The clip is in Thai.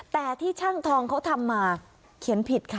แต่ที่ช่างทองเขาทำมาเขียนผิดค่ะ